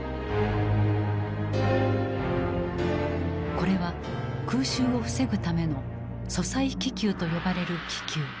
これは空襲を防ぐための「阻塞気球」と呼ばれる気球。